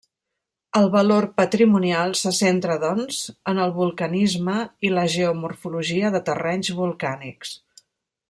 El valor patrimonial se centra doncs, en el vulcanisme i la geomorfologia de terrenys volcànics.